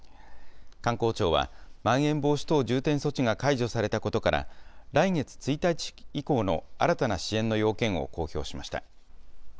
観光庁は、まん延防止等重点措置が解除されたことから、来月１日以降の新たな支援の要件を公表しました。